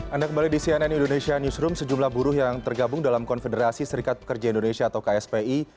anda kembali di cnn indonesia newsroom sejumlah buruh yang tergabung dalam konfederasi serikat pekerja indonesia atau kspi